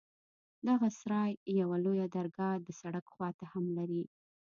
دغه سراى يوه لويه درګاه د سړک خوا ته هم لري.